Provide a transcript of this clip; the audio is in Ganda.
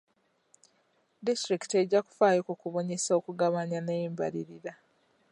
Disitulikiti ejja kufaayo ku kubunyisa, okugabanya n'embalirira.